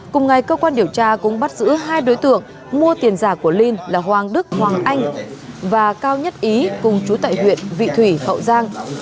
cùng ngày cơ quan điều tra cũng bắt giữ hai đối tượng mua tiền giả của linh là hoàng đức hoàng anh và cao nhất ý cùng chú tại huyện vị thủy hậu giang